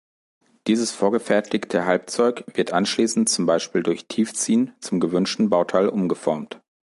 Dieses vorgefertigte Halbzeug wird anschließend zum Beispiel durch Tiefziehen zum gewünschten Bauteil umgeformt.